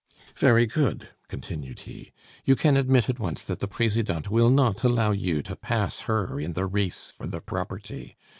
"Very good," continued he, "you can admit at once that the Presidente will not allow you to pass her in the race for the property.